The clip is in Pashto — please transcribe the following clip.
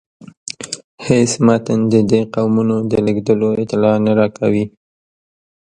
هیڅ متن د دې قومونو د لیږدیدلو اطلاع نه راکوي.